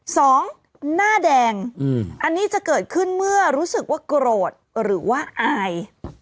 สองหน้าแดงอันนี้จะเกิดขึ้นเมื่อรู้สึกว่าโกรธหรือว่าอาย